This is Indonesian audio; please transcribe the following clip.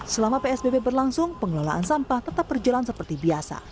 selama psbb berlangsung pengelolaan sampah tetap berjalan seperti biasa